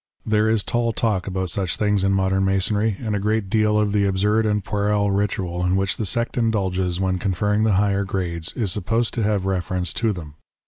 There is tall talk about such things in modern Masonry, and a great deal of the absurd and puerile ritual in which the sect indulges when conferring the higher grades, is supposed to have reference to them.